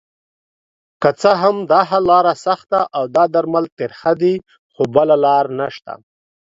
که څه هم داحل لاره سخته اودا درمل ترخه دي خو بله لاره نشته